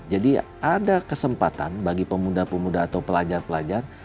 jadi ada kesempatan bagi pemuda pemuda atau pelajar pelajar